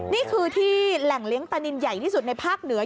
นี่คือที่แหล่งเลี้ยงปลานินใหญ่ที่สุดในภาคเหนือ